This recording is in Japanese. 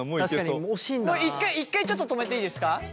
１回１回ちょっと止めていいですか。